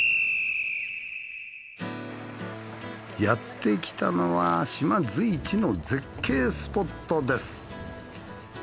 やってきたのは島随一の絶景スポットです。